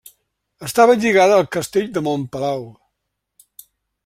Estava lligada al Castell de Montpalau.